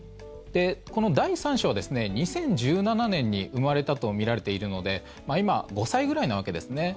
この第３子は２０１７年に生まれたとみられているので今、５歳ぐらいなわけですね。